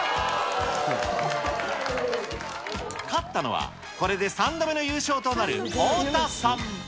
勝ったのは、これで３度目の優勝となる太田さん。